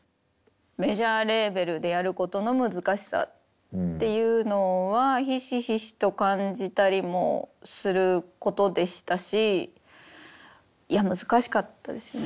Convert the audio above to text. メジャーレーベルでやることの難しさっていうのはひしひしと感じたりもすることでしたしいや難しかったですね。